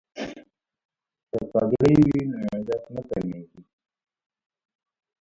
که پګړۍ وي نو عزت نه کمیږي.